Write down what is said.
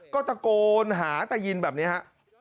ก็ตะโกนหาตายินแบบนี้ฮะ